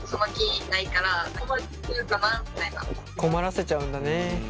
困らせちゃうんだね。